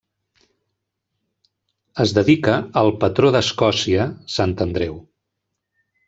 Es dedica al patró d'Escòcia, Sant Andreu.